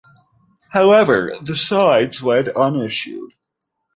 However, the sides went unissued.